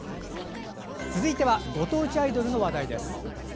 続いてはご当地アイドルの話題です。